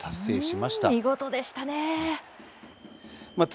見事でしたね。